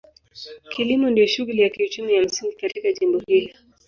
Kilimo ndio shughuli ya kiuchumi ya msingi katika jimbo hili.